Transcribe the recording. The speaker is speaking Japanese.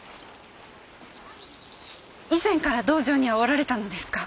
以前から道場にはおられたのですか？